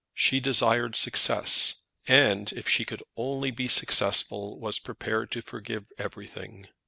She desired success, and, if she could only be successful, was prepared to forgive everything.